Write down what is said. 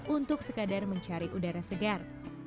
untuk sekadar mencari udara segar